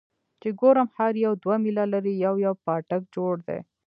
چې ګورم هر يو دوه ميله لرې يو يو پاټک جوړ دى.